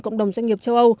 cộng đồng doanh nghiệp châu âu